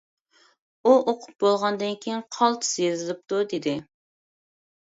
ئۇ ئوقۇپ بولغاندىن كېيىن: قالتىس يېزىلىپتۇ، دېدى.